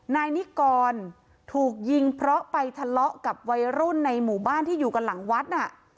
นายนิกรถูกยิงเพราะไปทะเลาะกับวัยรุ่นในหมู่บ้านที่อยู่กันหลังวัดน่ะ